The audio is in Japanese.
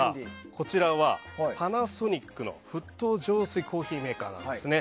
こちらはパナソニックの沸騰浄水コーヒーメーカーなんですね。